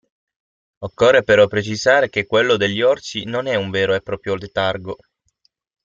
Occorre però precisare che quello degli orsi non è un vero e proprio letargo.